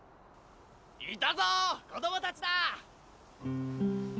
いたぞ子供たちだ！